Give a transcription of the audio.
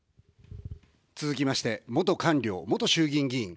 続きまして、元官僚、元衆議院議員。